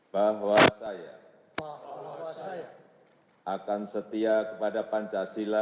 bahwa saya akan setia kepada pancasila